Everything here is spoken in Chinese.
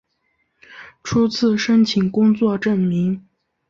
初次申请工作证明